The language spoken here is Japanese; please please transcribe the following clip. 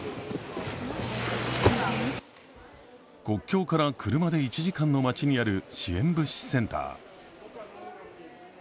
国境から車で１時間の街にあるり支援物資センター。